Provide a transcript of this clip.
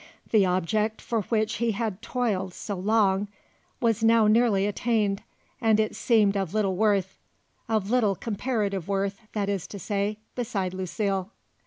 The object for which he had toiled so long was now nearly attained and it seemed of little worth, of little comparative worth, that is to say, beside Lucile.